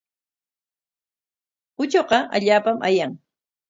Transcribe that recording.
Uchuqa allaapam ayan.